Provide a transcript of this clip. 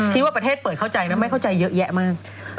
ว่าประเทศเปิดเข้าใจนะไม่เข้าใจเยอะแยะมาก